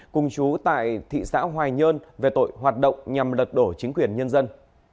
cùng chú tại thị xã hoài nhơn về tội hoạt động nhằm lật đổ chính quyền nhân dân